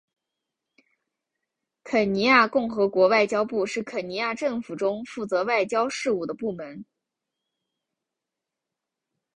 肯尼亚共和国外交部是肯尼亚政府中负责外交事务的部门。